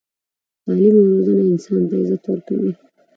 تعلیم او روزنه انسان ته عزت ورکوي.